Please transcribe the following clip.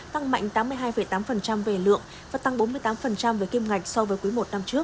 tăng mạnh tám mươi hai tám về lượng và tăng bốn mươi tám về kim ngạch so với quý i năm trước